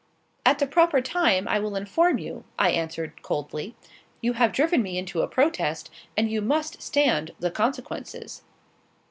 "At the proper time, I will inform you," I answered, coldly. "You have driven me into a protest, and you must stand the consequences."